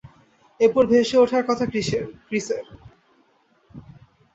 এরপর ভেসে ওঠার কথা ক্রিসের।